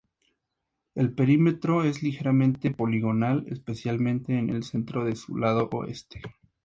El perímetro es ligeramente poligonal, especialmente en el centro de su lado oeste.